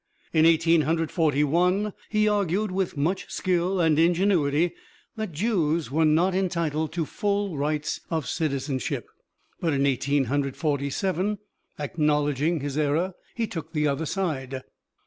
In Eighteen Hundred Forty one, he argued with much skill and ingenuity that Jews were not entitled to full rights of citizenship, but in Eighteen Hundred Forty seven, acknowledging his error, he took the other side.